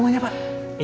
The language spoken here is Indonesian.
masa depan aku